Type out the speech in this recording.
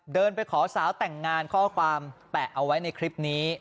เดินไปขอสาวแต่งงานข้อความแปะเอาไว้ในคลิปนี้